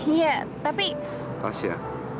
iya tapi pas ya